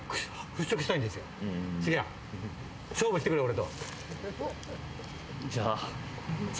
シゲハ、勝負してくれ俺と。